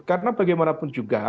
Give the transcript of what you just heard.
karena bagaimanapun juga